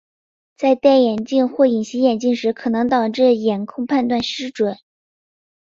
在戴眼镜或隐形眼镜时可能导致眼控判断失准。